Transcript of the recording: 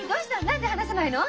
何で話さないの？